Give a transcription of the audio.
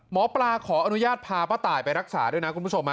หมอปลาขออนุญาตพาป้าตายไปรักษาด้วยนะคุณผู้ชม